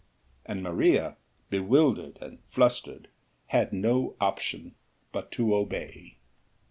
And Maria, bewildered and flustered, had no option but to obey.